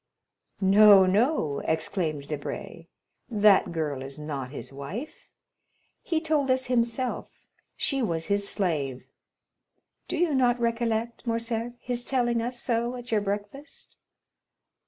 "No, no!" exclaimed Debray; "that girl is not his wife: he told us himself she was his slave. Do you not recollect, Morcerf, his telling us so at your breakfast?"